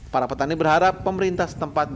para petani berharap pemerintah setempat